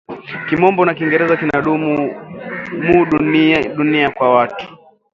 Kimombo na kingereza kina dumu mu dunia kwa watu